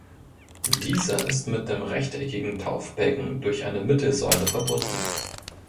Dieser ist mit dem rechteckigen Taufbecken durch eine Mittelsäule verbunden.